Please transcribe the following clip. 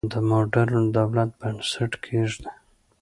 د موډرن دولت بنسټ کېږدي.